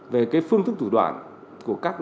về phương thức thủ đoạn của các đối tượng